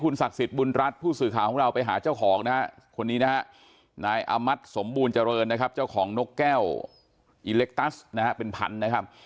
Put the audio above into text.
นายอมัติสมบูรณ์เจริญนะครับเจ้าของนกแก้วอิเล็กตัสนะครับเป็นพันธุ์นะครับ